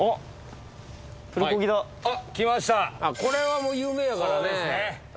これはもう有名やからね。